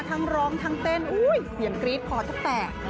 ทั้งร้องทั้งเต้นเหมือนกรี๊ดคอทะแป่ง